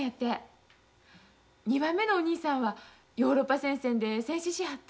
２番目のお兄さんはヨーロッパ戦線で戦死しはった